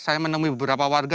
saya menemui beberapa warga